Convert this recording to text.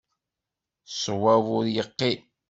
Ṣṣwab ur yeqqim.